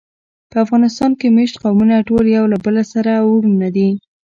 په افغانستان کې مېشت قومونه ټول یو له بله سره وروڼه دي.